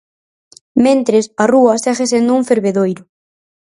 Mentres, a rúa segue sendo un fervedoiro.